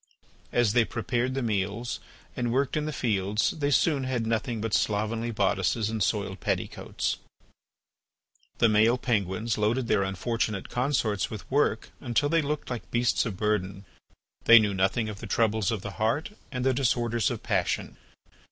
As they prepared the meals and worked in the fields they soon had nothing but slovenly bodices and soiled petticoats. The male penguins loaded their unfortunate consorts with work until they looked like beasts of burden. They knew nothing of the troubles of the heart and the disorders of passion.